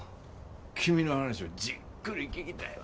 君の話をじっくり聞きたいわ。